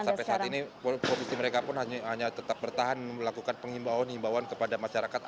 dan sampai saat ini polisi mereka pun hanya tetap bertahan melakukan pengimbauan imbauan kepada masyarakat